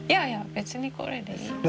別にこれでいい。